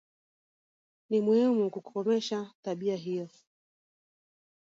Ni muhimu kukomesha tabia hiyo.